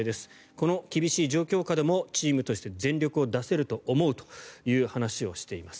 この厳しい状況下でもチームとして全力を出せると思うという話をしています。